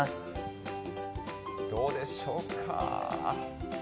どうでしょうか。